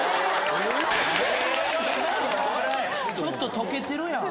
ちょっと解けてるやん